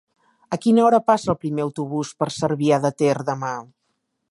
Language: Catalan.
A quina hora passa el primer autobús per Cervià de Ter demà?